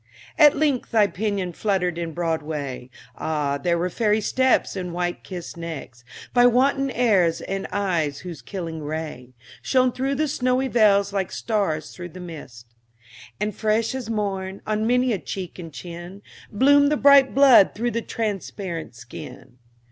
At length thy pinion fluttered in Broadway, Ah, there were fairy steps, and white necks kissed By wanton airs, and eyes whose killing ray Shone through the snowy veils like stars through mist; And fresh as morn, on many a cheek and chin, Bloomed the bright blood through the transparent skin.